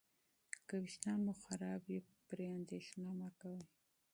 که ویښتان مو خراب وي، پرې اندېښنه مه کوه.